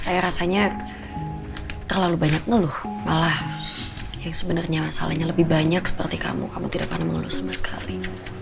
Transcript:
saya rasanya terlalu banyak ngeluh malah yang sebenarnya salahnya lebih banyak seperti kamu kamu tidak pernah mengeluh sama sekali